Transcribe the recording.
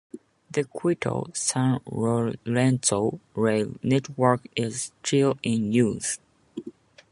The Quito - San Lorenzo rail network is still in use.